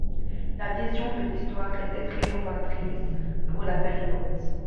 La vision de l'histoire était très novatrice pour la période.